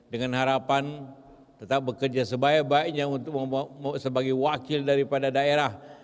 dengan harapan tetap bekerja sebaik baiknya untuk sebagai wakil daripada daerah